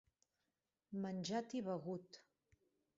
Menjat i begut.